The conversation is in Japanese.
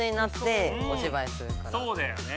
そうだよね。